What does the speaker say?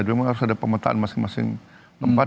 memang harus ada pemetaan masing masing tempat